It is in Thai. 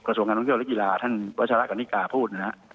กระทรวงการลงเที่ยวและกีฬาท่านวัชละกัณฑิกาพูดนะ